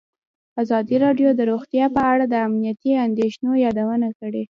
ازادي راډیو د روغتیا په اړه د امنیتي اندېښنو یادونه کړې.